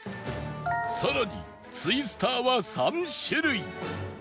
さらにツイスターは３種類